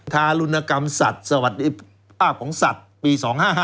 ทารุณกรรมสัตว์สวัสดีภาพของสัตว์ปี๒๕๕